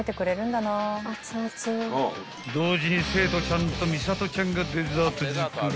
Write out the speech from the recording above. ［同時に生徒ちゃんとミサトちゃんがデザート作り］